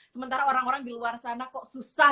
sementara orang orang di luar sana kok susah